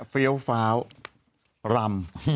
เฟียวฟาวลำ